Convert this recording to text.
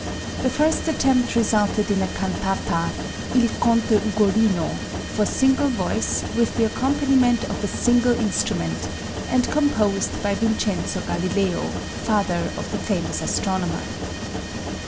The first attempt resulted in a cantata, "Il Conte Ugolino," for single voice with the accompaniment of a single instrument, and composed by Vincenzo Galileo, father of the famous astronomer.